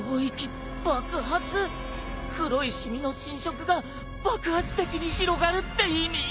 黒い染みの侵食が爆発的に広がるって意味！？